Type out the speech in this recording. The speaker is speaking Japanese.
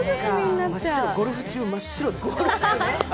ゴルフ中、真っ白です。